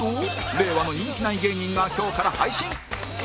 令和の人気ない芸人が今日から配信